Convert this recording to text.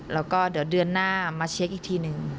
แล้วก็เดี๋ยวเดือนหน้ามาเช็คอีกทีหนึ่ง